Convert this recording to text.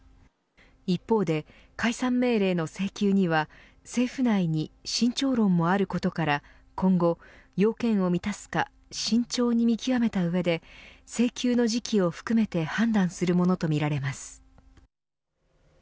一方で、解散命令の請求には政府内に慎重論もあることから今後、要件を満たすか慎重に見極めた上で請求の時期を含めて判断するものとみられます。